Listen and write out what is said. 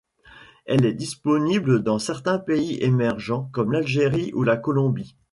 Elle est disponible dans certains pays émergents comme l'Algérie ou la Colombie.